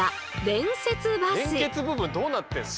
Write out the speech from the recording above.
連結部分どうなってんの？